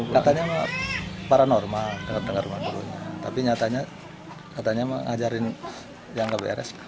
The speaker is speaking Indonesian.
katanya paranormal tapi nyatanya mengajarin yang gak beres